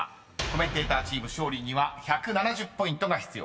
［コメンテーターチーム勝利には１７０ポイントが必要です］